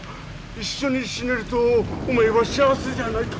一緒に死ねると思えば幸せじゃないか。